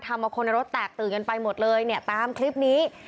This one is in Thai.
ทำเอาคนในรถแตกตื่นกันไปหมดเลยเนี่ยตามคลิปนี้